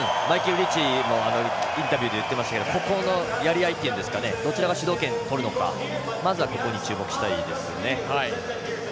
リーチマイケルもインタビューで言っていましたがここのやり合いっていうんですかどちらが主導権とるかまずはここに注目したいですね。